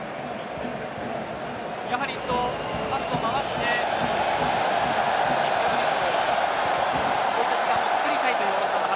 やはり、一度パスを回してこういった時間をつくりたいという小野さんの話。